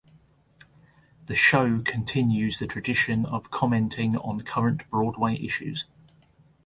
The show continues the tradition of commenting on current Broadway issues.